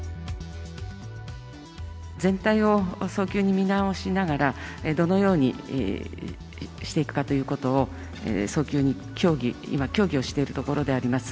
全体を早急に見直しながら、どのようにしていくかということを、早急に協議、今、協議をしているところであります。